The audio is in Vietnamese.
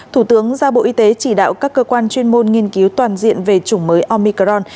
thủ tướng ra bộ y tế chỉ đạo các cơ quan chuyên môn nghiên cứu toàn diện về chủng mới omicron